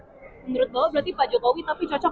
menurut pak jokowi berarti pak jokowi tapi cocok pak